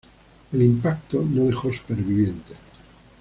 El impacto no dejó supervivientes.